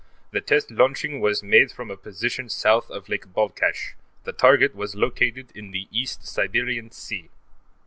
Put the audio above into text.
The test launching was made from a position south of Lake Balkash; the target was located in the East Siberian Sea.